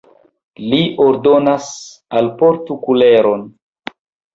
li ordonas: alportu kuleron!